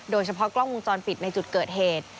โดยเฉพาะกล้องวงจรปิดในจุดเกิดเหตุ